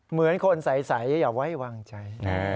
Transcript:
เหมือนคนใสอย่าไว้วางใจ